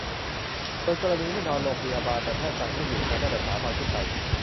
ส่วนกรณีไม่นอนโรงพยาบาล แต่แพทย์สั่งให้หยุดงานตั้งแต่ สาม วันขึ้นไป